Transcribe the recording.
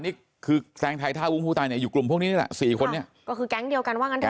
นี่คือแซงไทยท่าวุ้งผู้ตายเนี่ยอยู่กลุ่มพวกนี้นี่แหละสี่คนนี้ก็คือแก๊งเดียวกันว่างั้นเถ